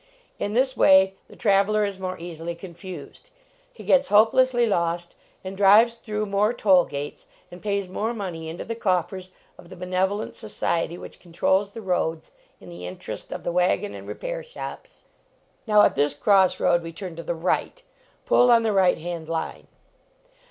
In this way the traveler is more easily confused; he gets hopelessly lost, and drives through more toll gates, and pays more money into the coffers of the benevolent society which controls the roads in the interest of the wagon and repair shops. Now, at this cross road we turn to the right; pull on the right hand line."